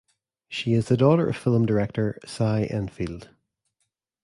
She is the daughter of film director Cy Endfield.